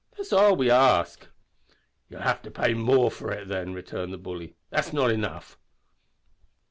That's all we ask." "You'll have to pay more for it then," returned the bully. "That's not enough."